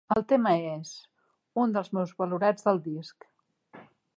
El tema és, un dels més valorats del disc.